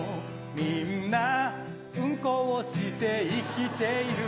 みんなうんこをして生きている